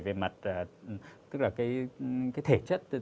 về mặt tức là cái